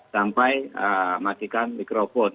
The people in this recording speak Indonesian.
sampai memastikan mikrofon